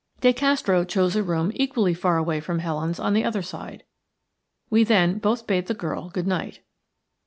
De Castro chose a room equally far away from Helen's on the other side. We then both bade the girl good night.